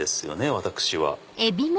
私は。